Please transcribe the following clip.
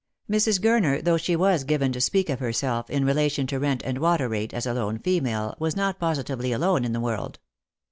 Mrs. Gurner, though she was given to speak of herself, in relation to rent and water rate, as a lone female, was not posi tively alone in theworld.